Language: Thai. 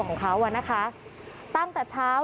พี่บูรำนี้ลงมาแล้ว